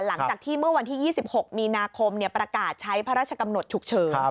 หลังจากที่เมื่อวันที่๒๖มีนาคมประกาศใช้พระราชกำหนดฉุกเฉิน